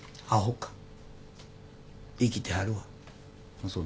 あっそう。